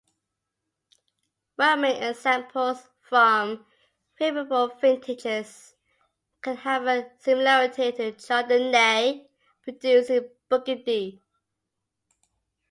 Well-made examples from favorable vintages can have a similarity to Chardonnay produced in Burgundy.